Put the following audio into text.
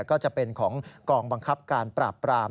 ก็จะเป็นของกองบังคับการปราบปราม